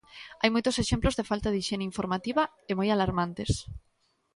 Hai moitos exemplos de falta de hixiene informativa, e moi alarmantes.